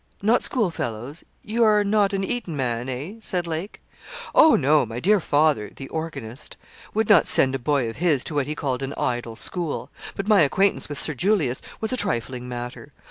'Not schoolfellows you are not an Eton man, eh?' said Lake. 'Oh no! My dear father' (the organist) 'would not send a boy of his to what he called an idle school. But my acquaintance with Sir Julius was a trifling matter.